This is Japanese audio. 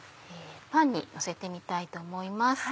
パンにのせてみたいと思います。